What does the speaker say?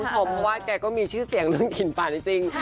เพราะว่าแกก็มีชื่อเสียงเรื่องกลิ่นป่าจริง